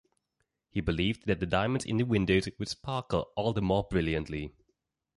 He believed that the diamonds in the windows would sparkle all the more brilliantly.